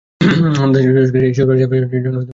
দেবগণ যুধিষ্ঠিরকে এই স্বর্গে যাইবার জন্য আমন্ত্রণ করিলেন।